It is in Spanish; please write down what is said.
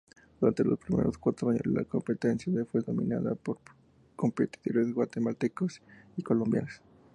Durante los primeros cuatro años, la competencia fue dominada por competidores guatemaltecos y colombianos.